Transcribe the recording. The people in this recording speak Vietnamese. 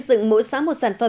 xin kính chào tạm biệt